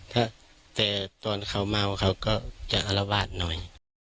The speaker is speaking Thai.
แต่ตอนเขาเมาเขาก็จะอารวาสหน่อย